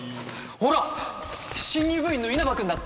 ほら新入部員の稲葉君だって。